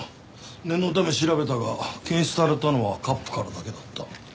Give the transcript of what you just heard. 念のため調べたが検出されたのはカップからだけだった。